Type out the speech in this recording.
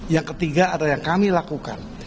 yang ketiga adalah yang kami lakukan